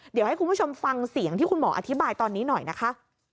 เดี๋ยวให้คุณผู้ชมฟังเสียงที่คุณหมออธิบายตอนนี้หน่อยนะคะ